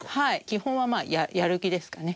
基本はまあやる気ですかね。